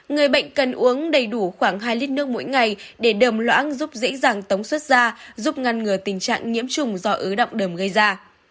người bệnh cần uống đầy đủ khoảng hai lít nước mỗi ngày để đờm loãng giúp dễ dàng tống xuất ra giúp ngăn ngừa tình trạng nhiễm trùng do ứ động đờm gây ra